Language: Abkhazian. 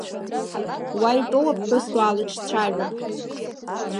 Уа итәоу аԥҳәыс уаалыҿцәажәа.